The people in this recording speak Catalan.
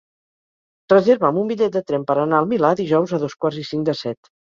Reserva'm un bitllet de tren per anar al Milà dijous a dos quarts i cinc de set.